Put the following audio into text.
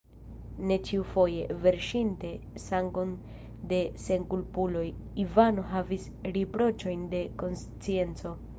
Ne ĉiufoje, verŝinte sangon de senkulpuloj, Ivano havis riproĉojn de konscienco.